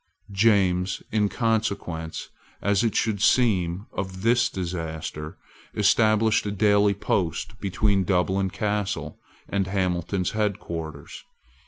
James, in consequence, as it should seem, of this disaster, established a daily post between Dublin Castle and Hamilton's head quarters.